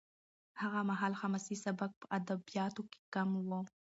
هغه مهال حماسي سبک په ادبیاتو کې کم و.